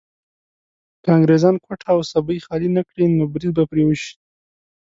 که انګريزان کوټه او سبۍ خالي نه کړي نو بريد به پرې وشي.